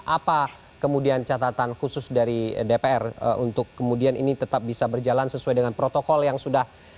apa kemudian catatan khusus dari dpr untuk kemudian ini tetap bisa berjalan sesuai dengan protokol yang sudah